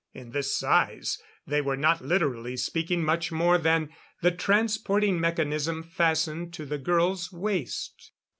In this size they were not, literally speaking, much more than the transporting mechanism fastened to the girl's waist.